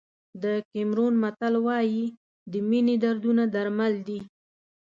د کیمرون متل وایي د مینې دردونه درمل دي.